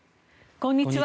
こんにちは。